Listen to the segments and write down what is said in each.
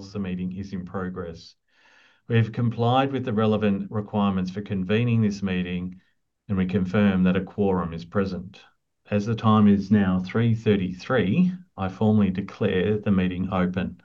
The meeting is in progress. We have complied with the relevant requirements for convening this meeting, and we confirm that a quorum is present. As the time is now 3:33 P.M., I formally declare the meeting open.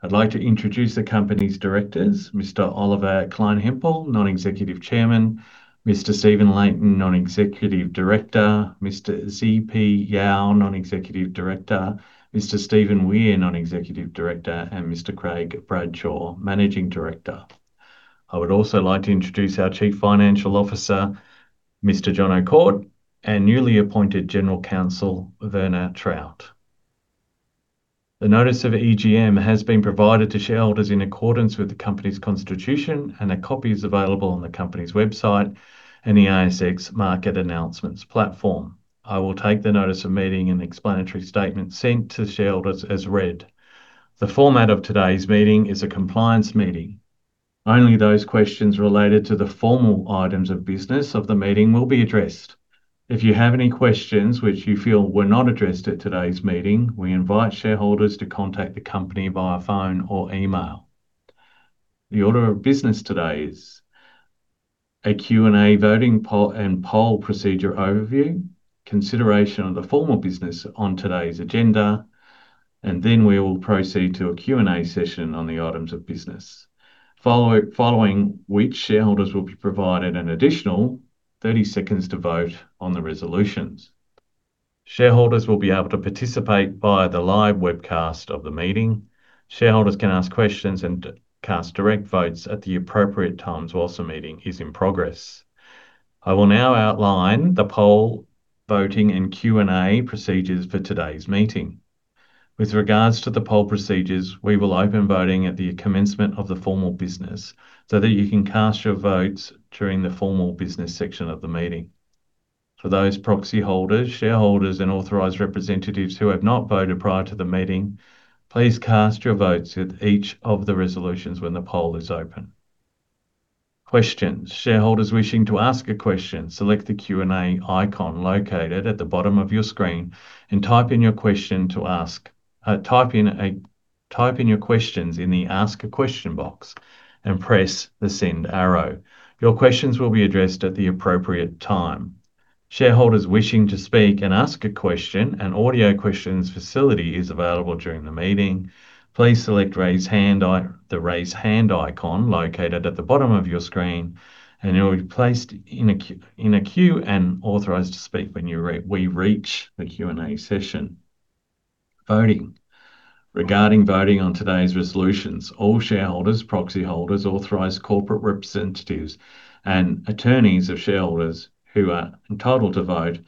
I'd like to introduce the company's directors, Mr. Oliver Kleinhempel, Non-Executive Chairman. Mr. Stephen Layton, Non-Executive Director. Mr. ZP Yeo, Non-Executive Director. Mr. Stephen Weir, Non-Executive Director. And Mr. Craig Bradshaw, Managing Director. I would also like to introduce our Chief Financial Officer, Mr. Jonathan Kort, and newly appointed General Counsel, Virna Trout. The notice of EGM has been provided to shareholders in accordance with the company's constitution, and a copy is available on the company's website and the ASX market announcements platform. I will take the notice of meeting and explanatory statement sent to shareholders as read. The format of today's meeting is a compliance meeting. Only those questions related to the formal items of business of the meeting will be addressed. If you have any questions which you feel were not addressed at today's meeting, we invite shareholders to contact the company via phone or email. The order of business today is a Q&A voting and poll procedure overview, consideration of the formal business on today's agenda, and then we will proceed to a Q&A session on the items of business. Following which, shareholders will be provided an additional 30 seconds to vote on the resolutions. Shareholders will be able to participate via the live webcast of the meeting. Shareholders can ask questions and cast direct votes at the appropriate times while the meeting is in progress. I will now outline the poll voting and Q&A procedures for today's meeting. With regards to the poll procedures, we will open voting at the commencement of the formal business so that you can cast your votes during the formal business section of the meeting. For those proxy holders, shareholders, and authorized representatives who have not voted prior to the meeting, please cast your votes with each of the resolutions when the poll is open. Questions. Shareholders wishing to ask a question, select the Q&A icon located at the bottom of your screen and type in your question to ask. Type in your questions in the Ask a Question box and press the send arrow. Your questions will be addressed at the appropriate time. Shareholders wishing to speak and ask a question, an audio questions facility is available during the meeting. Please select Raise Hand. The Raise Hand icon located at the bottom of your screen, and you'll be placed in a queue and authorized to speak when we reach the Q&A session. Voting. Regarding voting on today's resolutions, all shareholders, proxy holders, authorized corporate representatives, and attorneys of shareholders who are entitled to vote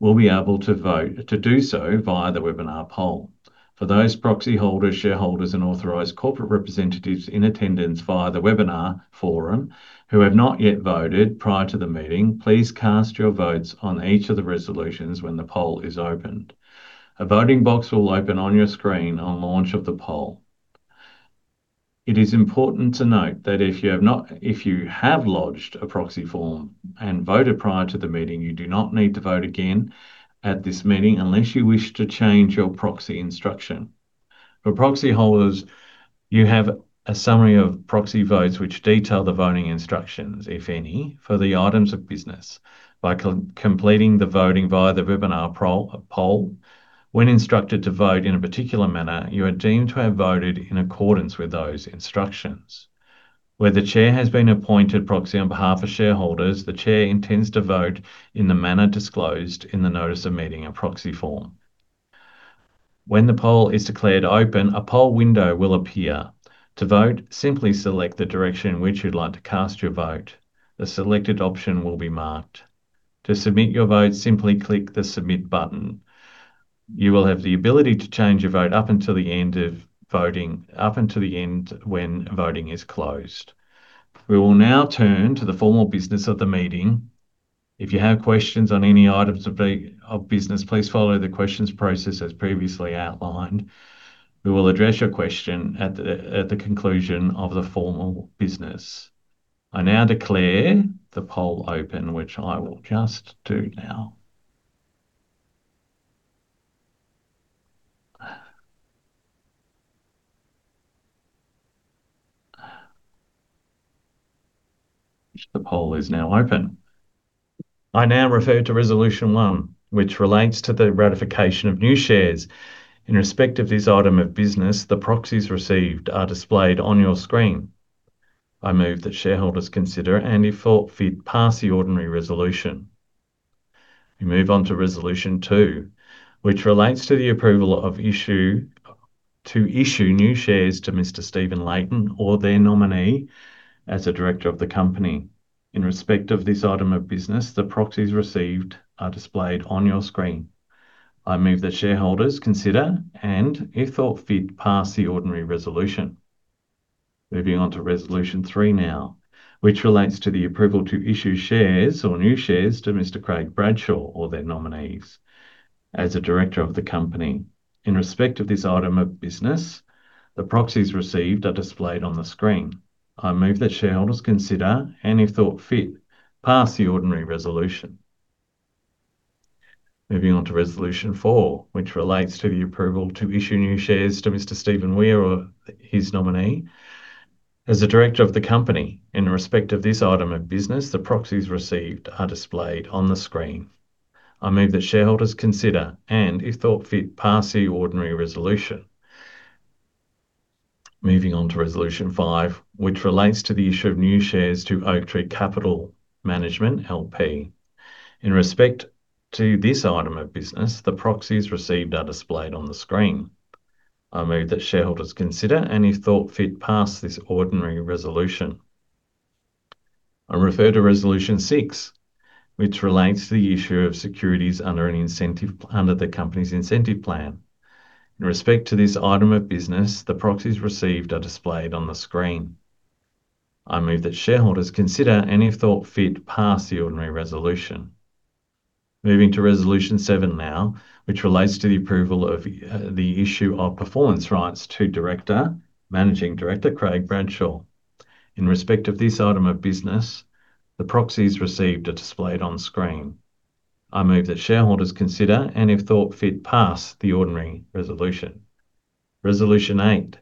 will be able to vote to do so via the webinar poll. For those proxy holders, shareholders, and authorized corporate representatives in attendance via the webinar forum who have not yet voted prior to the meeting, please cast your votes on each of the resolutions when the poll is opened. A voting box will open on your screen on launch of the poll. It is important to note that if you have lodged a proxy form and voted prior to the meeting, you do not need to vote again at this meeting unless you wish to change your proxy instruction. For proxy holders, you have a summary of proxy votes which detail the voting instructions, if any, for the items of business by completing the voting via the webinar poll. When instructed to vote in a particular manner, you are deemed to have voted in accordance with those instructions. Where the chair has been appointed proxy on behalf of shareholders, the chair intends to vote in the manner disclosed in the notice of meeting and proxy form. When the poll is declared open, a poll window will appear. To vote, simply select the direction in which you'd like to cast your vote. The selected option will be marked. To submit your vote, simply click the Submit button. You will have the ability to change your vote up until the end of voting, up until the end when voting is closed. We will now turn to the formal business of the meeting. If you have questions on any items of business, please follow the questions process as previously outlined. We will address your question at the conclusion of the formal business. I now declare the poll open, which I will just do now. The poll is now open. I now refer to resolution one, which relates to the ratification of new shares. In respect of this item of business, the proxies received are displayed on your screen. I move that shareholders consider, and if thought fit, pass the ordinary resolution. We move on to resolution two, which relates to the approval to issue new shares to Mr. Stephen Layton or their nominee as a Director of the company. In respect of this item of business, the proxies received are displayed on your screen. I move that shareholders consider, and if thought fit, pass the ordinary resolution. Moving on to resolution three now, which relates to the approval to issue shares or new shares to Mr. Craig Bradshaw or their nominees as a Director of the company. In respect of this item of business, the proxies received are displayed on the screen. I move that shareholders consider, and if thought fit, pass the ordinary resolution. Moving on to resolution four, which relates to the approval to issue new shares to Mr. Stephen Weir or his nominee. As a Director of the company in respect of this item of business, the proxies received are displayed on the screen. I move that shareholders consider, and if thought fit, pass the ordinary resolution. Moving on to resolution five, which relates to the issue of new shares to Oaktree Capital Management, L.P. In respect to this item of business, the proxies received are displayed on the screen. I move that shareholders consider, and if thought fit, pass this ordinary resolution. I refer to resolution six, which relates to the issue of securities under the company's incentive plan. In respect to this item of business, the proxies received are displayed on the screen. I move that shareholders consider, and if thought fit, pass the ordinary resolution. Moving to resolution seven now, which relates to the approval of the issue of performance rights to Director Managing Director Craig Bradshaw. In respect of this item of business, the proxies received are displayed on screen. I move that shareholders consider, and if thought fit, pass the ordinary resolution. Resolution eight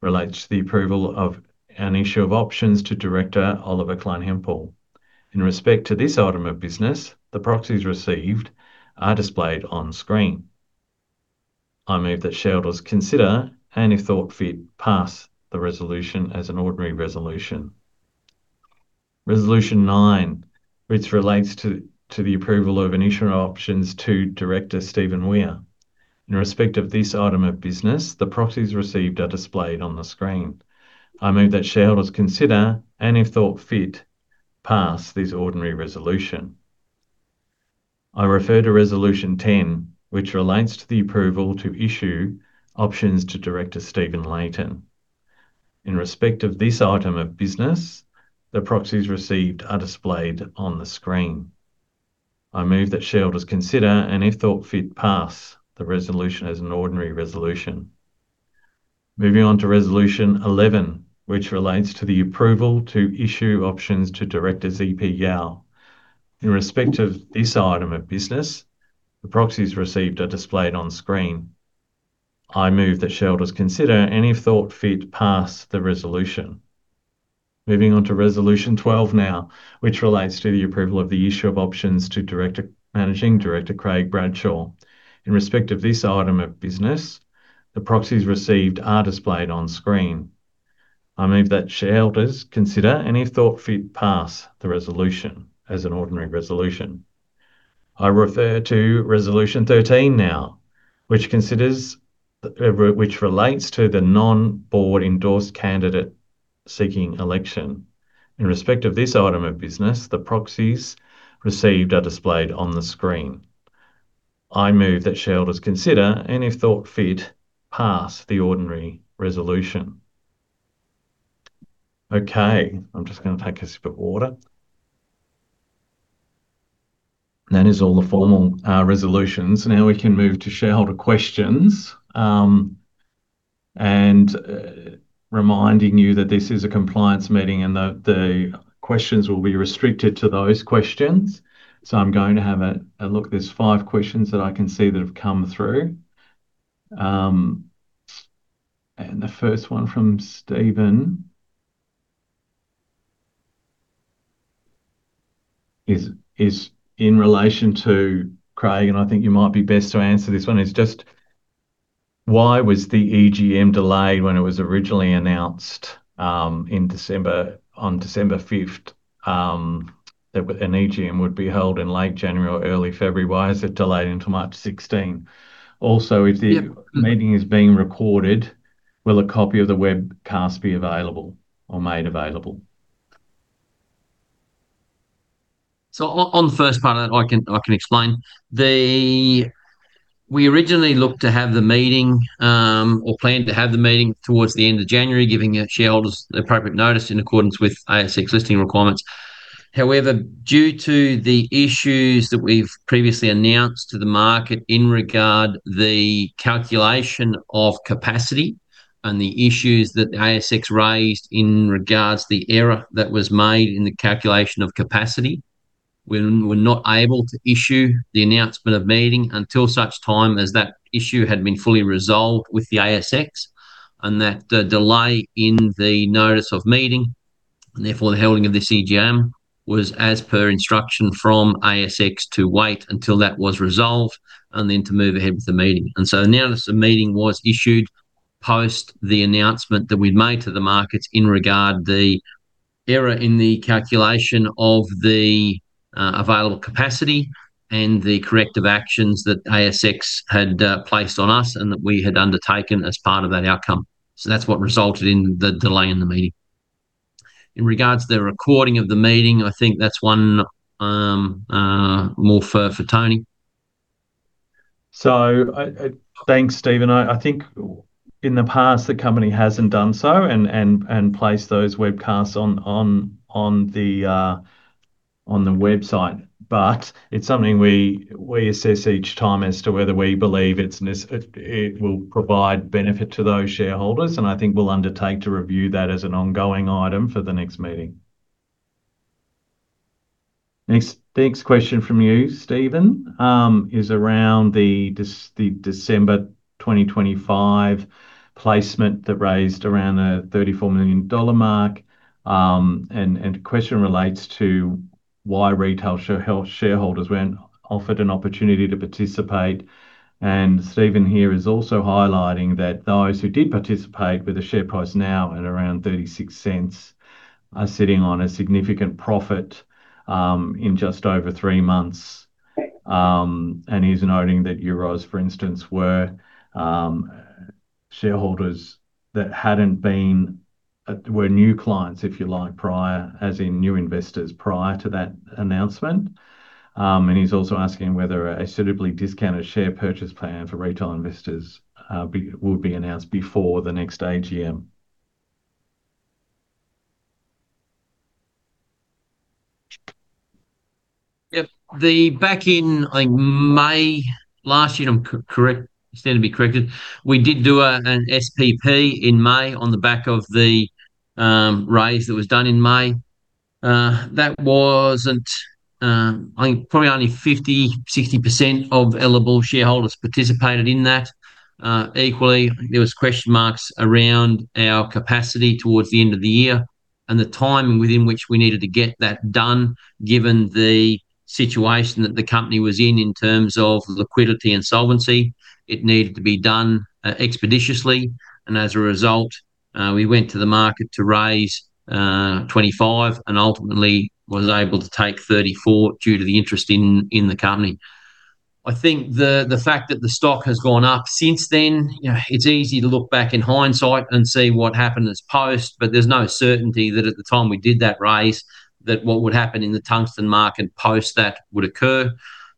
relates to the approval of an issue of options to Director Oliver Kleinhempel. In respect to this item of business, the proxies received are displayed on screen. I move that shareholders consider, and if thought fit, pass the resolution as an ordinary resolution. Resolution nine, which relates to the approval of an issue of options to Director Stephen Weir. In respect of this item of business, the proxies received are displayed on the screen. I move that shareholders consider, and if thought fit, pass this ordinary resolution. I refer to resolution 10, which relates to the approval to issue options to Director Stephen Layton. In respect of this item of business, the proxies received are displayed on the screen. I move that shareholders consider, and if thought fit, pass the resolution as an ordinary resolution. Moving on to resolution 11, which relates to the approval to issue options to Director ZP Yeo. In respect of this item of business, the proxies received are displayed on screen. I move that shareholders consider, and if thought fit, pass the resolution. Moving on to resolution 12 now, which relates to the approval of the issue of options to Director, Managing Director Craig Bradshaw. In respect of this item of business, the proxies received are displayed on screen. I move that shareholders consider, and if thought fit, pass the resolution as an ordinary resolution. I refer to resolution 13 now, which relates to the non-board endorsed candidate seeking election. In respect of this item of business, the proxies received are displayed on the screen. I move that shareholders consider, and if thought fit, pass the ordinary resolution. Okay, I'm just gonna take a sip of water. That is all the formal resolutions. Now we can move to shareholder questions. Reminding you that this is a compliance meeting, and the questions will be restricted to those questions. I'm going to have a look. There's five questions that I can see that have come through. The first one from Steven is in relation to Craig, and I think you might be best to answer this one. It's just: Why was the AGM delayed when it was originally announced in December, on December 5th, that an AGM would be held in late January or early February? Why is it delayed until March 16? Also Yep If the meeting is being recorded, will a copy of the webcast be available or made available? On the first part of that, I can explain. We originally looked to have the meeting or planned to have the meeting towards the end of January, giving the shareholders the appropriate notice in accordance with ASX listing requirements. However, due to the issues that we've previously announced to the market in regard the calculation of capacity and the issues that the ASX raised in regards the error that was made in the calculation of capacity, we were not able to issue the announcement of meeting until such time as that issue had been fully resolved with the ASX, and that the delay in the notice of meeting, and therefore the holding of this AGM, was as per instruction from ASX to wait until that was resolved, and then to move ahead with the meeting. The notice of meeting was issued post the announcement that we'd made to the markets in regard to the error in the calculation of the available capacity and the corrective actions that ASX had placed on us and that we had undertaken as part of that outcome. That's what resulted in the delay in the meeting. In regards to the recording of the meeting, I think that's one more for Tony. Thanks, Steven. I think in the past the company hasn't done so and placed those webcasts on the website. It's something we assess each time as to whether we believe it will provide benefit to those shareholders, and I think we'll undertake to review that as an ongoing item for the next meeting. Next question from you, Steven, is around the December 2025 placement that raised around AUD 34 million. The question relates to why retail shareholders weren't offered an opportunity to participate. Steven here is also highlighting that those who did participate with the share price now at around 0.36 are sitting on a significant profit in just over three months. He's noting that Euroz, for instance, were shareholders that were new clients, if you like, prior, as in new investors prior to that announcement. He's also asking whether a suitably discounted share purchase plan for retail investors will be announced before the next AGM. Yep. Back in, I think May last year, I'm correct, stand to be corrected, we did do an SPP in May on the back of the raise that was done in May. That wasn't, I think probably only 50%-60% of eligible shareholders participated in that. Equally, there were question marks around our capacity towards the end of the year and the timing within which we needed to get that done, given the situation that the company was in terms of liquidity and solvency. It needed to be done expeditiously, and as a result, we went to the market to raise 25 and ultimately was able to take 34 due to the interest in the company. I think the fact that the stock has gone up since then, you know, it's easy to look back in hindsight and see what happened as post, but there's no certainty that at the time we did that raise, that what would happen in the tungsten market post that would occur.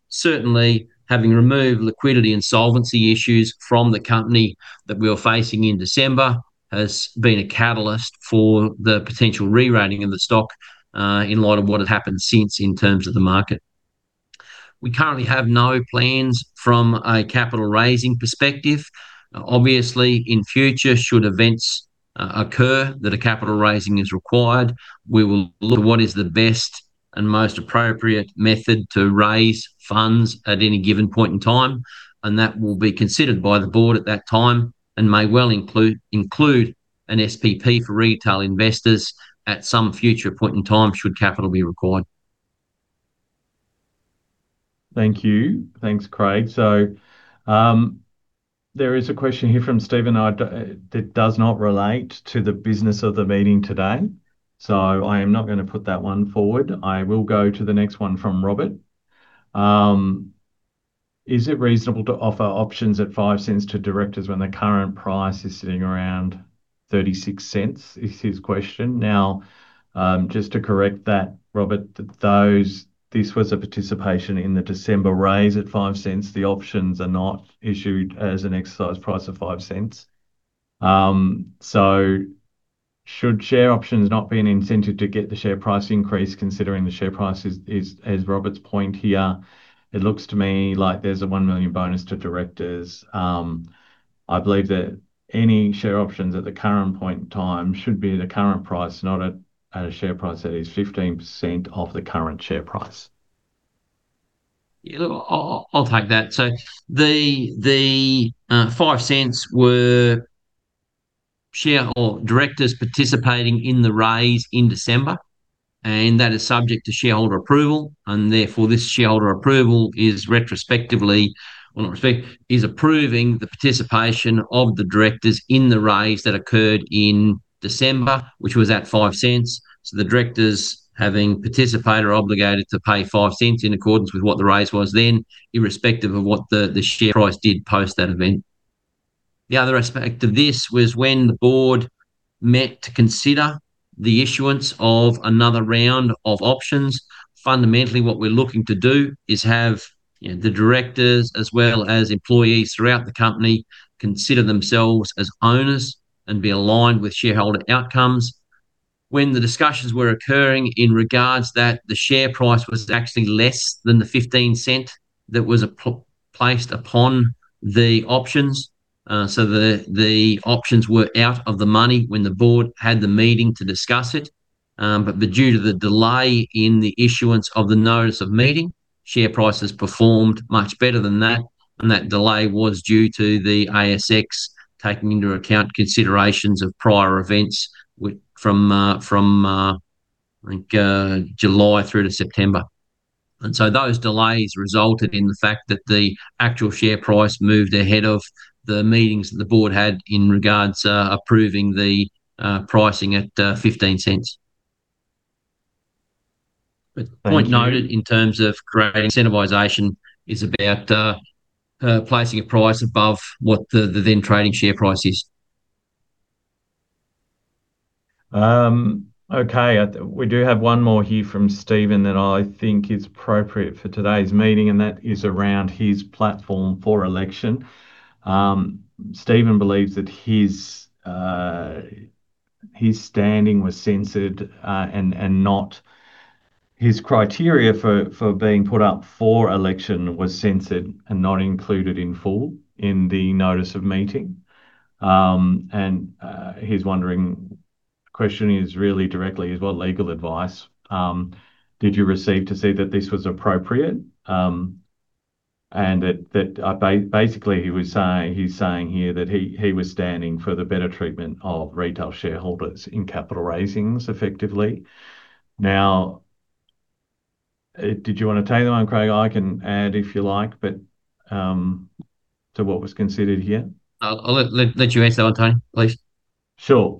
Certainly, having removed liquidity and solvency issues from the company that we were facing in December has been a catalyst for the potential rerating of the stock, in light of what has happened since in terms of the market. We currently have no plans from a capital raising perspective. Obviously, in future, should events occur that a capital raising is required, we will look at what is the best and most appropriate method to raise funds at any given point in time, and that will be considered by the board at that time and may well include an SPP for retail investors at some future point in time should capital be required. Thank you. Thanks, Craig. There is a question here from Steven that does not relate to the business of the meeting today, so I am not gonna put that one forward. I will go to the next one from Robert. "Is it reasonable to offer options at 0.05 to directors when the current price is sitting around 0.36?" is his question. Now, just to correct that, Robert, this was a participation in the December raise at 0.05. The options are not issued as an exercise price of 0.05. Should share options not be an incentive to get the share price increase considering the share price is as Robert's point here? It looks to me like there's a 1 million bonus to directors. I believe that any share options at the current point in time should be at a current price, not at a share price that is 15% of the current share price. I'll take that. The AUD 0.05 per share for directors participating in the raise in December, and that is subject to shareholder approval, and therefore, this shareholder approval is approving the participation of the directors in the raise that occurred in December, which was at 0.05. The directors having participated are obligated to pay 0.05 in accordance with what the raise was then, irrespective of what the share price did post that event. The other aspect of this was when the board met to consider the issuance of another round of options. Fundamentally, what we're looking to do is have, you know, the directors as well as employees throughout the company consider themselves as owners and be aligned with shareholder outcomes. When the discussions were occurring in regards that the share price was actually less than the 0.15 that was applied upon the options, so the options were out of the money when the board had the meeting to discuss it. Due to the delay in the issuance of the notice of meeting, share prices performed much better than that, and that delay was due to the ASX taking into account considerations of prior events from I think July through to September. Those delays resulted in the fact that the actual share price moved ahead of the meetings the board had in regards approving the pricing at 0.15. Point noted in terms of creating incentivization is about placing a price above what the then trading share price is. Okay. We do have one more here from Steven that I think is appropriate for today's meeting, and that is around his platform for election. Steven believes that his standing was censored, and his criteria for being put up for election was censored and not included in full in the notice of meeting. Question is really directly what legal advice did you receive to say that this was appropriate? Basically, he's saying here that he was standing for the better treatment of retail shareholders in capital raisings effectively. Now, did you wanna take that one, Craig? I can add if you like, but to what was considered here. I'll let you answer that one, Tony, please. Sure.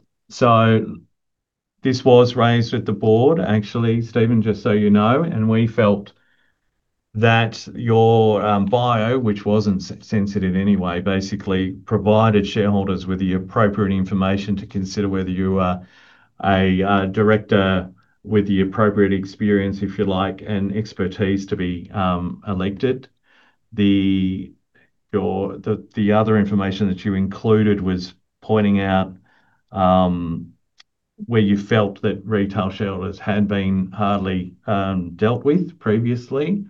This was raised with the board actually, Steven, just so you know, and we felt that your bio, which wasn't censored in any way, basically provided shareholders with the appropriate information to consider whether you are a director with the appropriate experience, if you like, and expertise to be elected. The other information that you included was pointing out where you felt that retail shareholders had been hardly dealt with previously.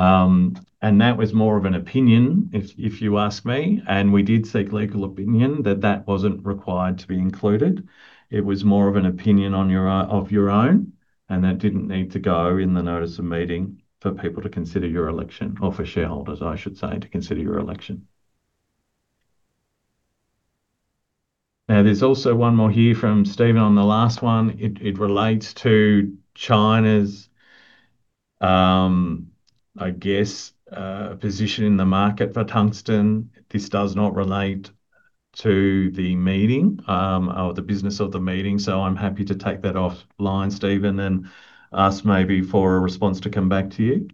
That was more of an opinion if you ask me, and we did seek legal opinion that that wasn't required to be included. It was more of an opinion of your own, and that didn't need to go in the notice of meeting for people to consider your election, or for shareholders, I should say, to consider your election. Now, there's also one more here from Steven on the last one. It relates to China's, I guess, position in the market for tungsten. This does not relate to the meeting, or the business of the meeting, so I'm happy to take that off-line, Steven, and ask maybe for a response to come back to you.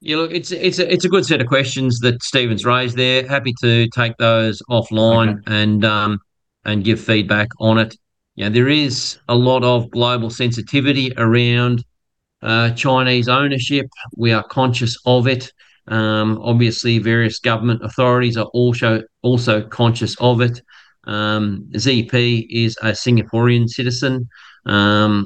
Yeah, look, it's a good set of questions that Steven's raised there. Happy to take those offline. Okay Give feedback on it. Yeah, there is a lot of global sensitivity around Chinese ownership. We are conscious of it. Obviously various government authorities are also conscious of it. ZP is a Singaporean citizen.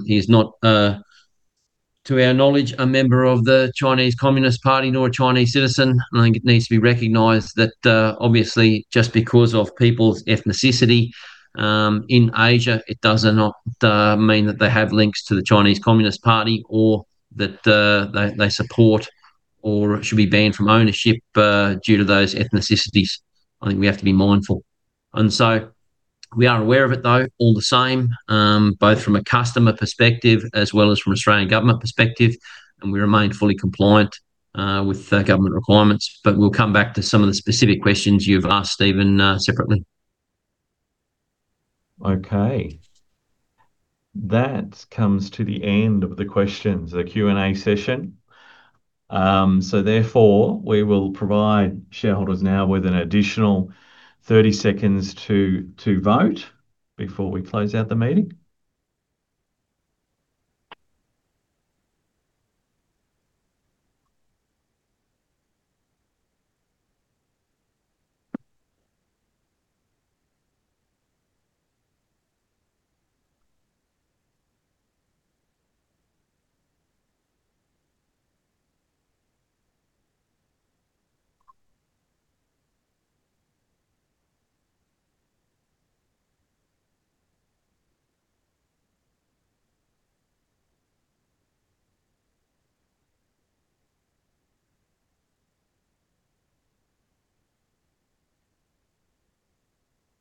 He's not, to our knowledge, a member of the Chinese Communist Party, nor a Chinese citizen. I think it needs to be recognized that obviously just because of people's ethnicity in Asia, it does not mean that they have links to the Chinese Communist Party or that they support or should be banned from ownership due to those ethnicities. I think we have to be mindful. We are aware of it though, all the same, both from a customer perspective as well as from Australian Government perspective, and we remain fully compliant with the Government requirements. We'll come back to some of the specific questions you've asked Steven, separately. Okay. That comes to the end of the questions, the Q&A session. Therefore, we will provide shareholders now with an additional 30 seconds to vote before we close out the meeting.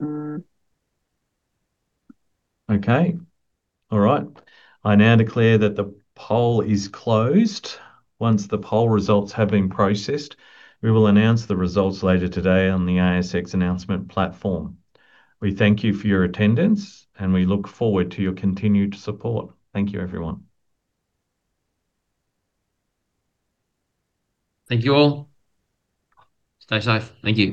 Okay. All right. I now declare that the poll is closed. Once the poll results have been processed, we will announce the results later today on the ASX announcement platform. We thank you for your attendance, and we look forward to your continued support. Thank you, everyone. Thank you all. Stay safe. Thank you.